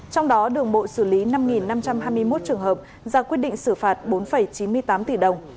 trong đó đường bộ xử lý năm năm trăm hai mươi một trường hợp ra quyết định xử phạt bốn chín mươi tám tỷ đồng